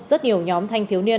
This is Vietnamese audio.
rất nhiều nhóm thanh thiếu niên